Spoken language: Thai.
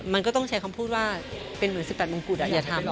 มันก็ต้องใช้คำพูดว่าเป็นเหมือน๑๘มงกุฎอย่าทำ